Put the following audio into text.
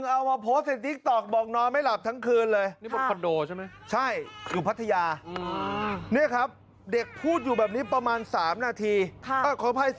ไอ้แม่มาหาแม่หน่อยไอ้แม่มาหาแม่หน่อย